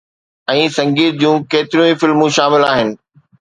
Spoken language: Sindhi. ۽ سنگيت جون ڪيتريون ئي فلمون شامل آهن.